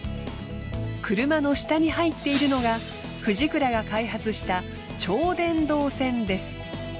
車の下に入っているのがフジクラが開発した超電導線です。